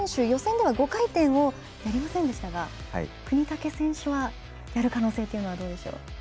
予選では５回転をやりませんでしたが國武選手はやる可能性というのはどうでしょう。